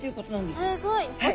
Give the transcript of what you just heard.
すごい。